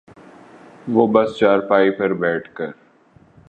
وہ بس چارپائی پر بیٹھ کر